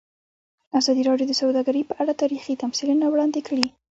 ازادي راډیو د سوداګري په اړه تاریخي تمثیلونه وړاندې کړي.